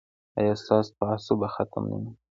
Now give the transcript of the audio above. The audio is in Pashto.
ایا ستاسو تعصب به ختم نه وي؟